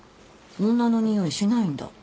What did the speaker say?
女のにおいしないんだ。